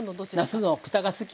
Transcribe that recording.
なすのくたが好き？